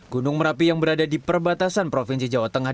gunung merapi yang berada di perbatasan provinsi jawa tengah